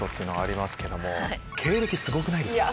経歴すごくないですか？